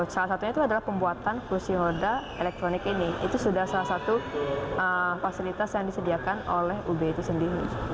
salah satunya itu adalah pembuatan kursi roda elektronik ini itu sudah salah satu fasilitas yang disediakan oleh ub itu sendiri